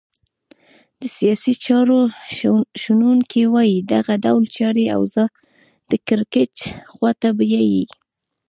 د سیاسي چارو شنونکي وایې دغه ډول چاري اوضاع د کرکېچ خواته بیایې.